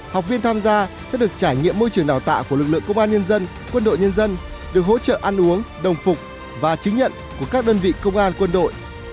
học viên tham gia sẽ được trải nghiệm môi trường đào tạo của lực lượng công an nhân dân quân đội nhân dân được hỗ trợ ăn uống đồng phục và chứng nhận của các đơn vị công an quân đội